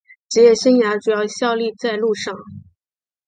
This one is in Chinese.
职业生涯主要效力车路士。